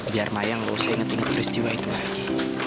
biar maya nggak usah inget inget peristiwa itu lagi